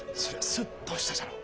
スッとしたじゃろう。